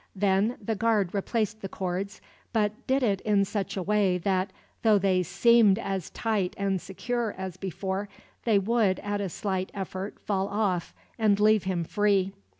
Then the guard replaced the cords, but did it in such a way that, though they seemed as tight and secure as before, they would at a slight effort fall off, and leave him free.